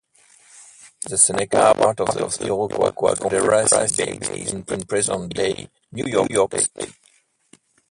The Seneca were part of the Iroquois Confederacy based in present-day New York state.